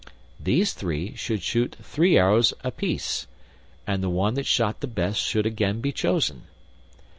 These three should shoot three arrows apiece, and the one that shot the best should again be chosen.